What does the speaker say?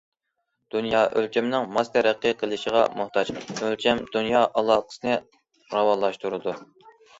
دۇنيا ئۆلچەمنىڭ ماس تەرەققىي قىلىشىغا موھتاج، ئۆلچەم دۇنيا ئالاقىسىنى راۋانلاشتۇرىدۇ.